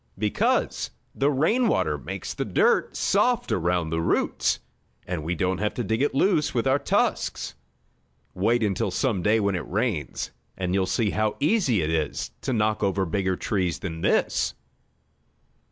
"Because the rain water makes the dirt soft around the roots, and we don't have to dig it loose with our tusks. Wait until some day when it rains, and you'll see how easy it is to knock over bigger trees than this."